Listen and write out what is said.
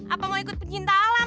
apa mau ikut pencinta alam